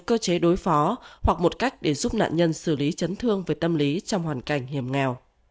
cơ chế đối phó hoặc một cách để giúp nạn nhân xử lý chấn thương về tâm lý trong hoàn cảnh hiểm nghèo